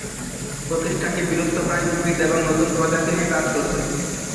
প্রতিষ্ঠানটি বিলুপ্তপ্রায় উদ্ভিদ এবং নতুন প্রজাতি নিয়ে কাজ করছে।